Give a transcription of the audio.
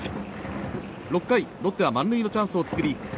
６回、ロッテは満塁のチャンスを作り